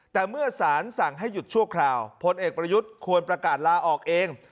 แต่เมื่อสารสั่งให้หยุดชั่วคราวพลเอกประยุทธ์ควรประกาศลาออกเอง